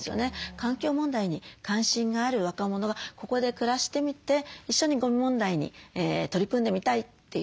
環境問題に関心がある若者がここで暮らしてみて一緒にゴミ問題に取り組んでみたいという。